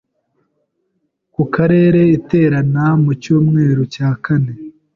Ku Karere iterana mu cyumweru cya kane;